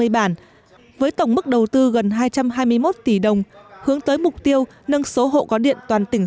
hai mươi bản với tổng mức đầu tư gần hai trăm hai mươi một tỷ đồng hướng tới mục tiêu nâng số hộ có điện toàn tỉnh